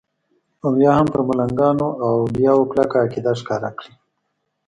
او یا هم پر ملنګانو او اولیاو کلکه عقیده ښکاره کړي.